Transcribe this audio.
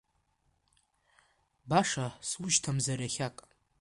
Баша сушьҭамзар иахьак…